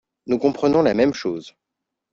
Nous comprenons la même chose